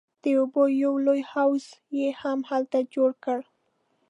د اوبو یو لوی حوض یې هم هلته جوړ کړ.